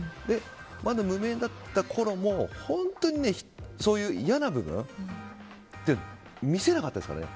まだ無名だったころも本当に嫌な部分って見せなかったですからね。